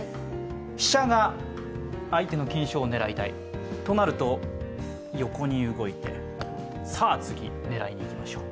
飛車が開いての金将を狙いたい、となると横に動いて、さあ次、狙いにいきましょう。